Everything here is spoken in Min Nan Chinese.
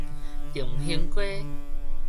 長興街